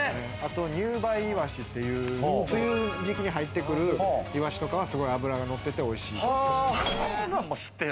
入梅いわしっていう梅雨の時期に入ってくるいわしとかは、すごい脂がのってておいしい。